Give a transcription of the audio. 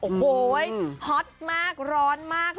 โอ้โหฮอตมากร้อนมาก